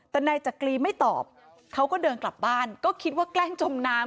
แต่นายจักรีไม่ตอบเขาก็เดินกลับบ้านก็คิดว่าแกล้งจมน้ำ